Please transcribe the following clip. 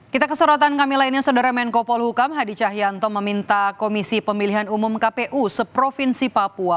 kita ke sorotan kami lainnya saudara menko polhukam hadi cahyanto meminta komisi pemilihan umum kpu seprovinsi papua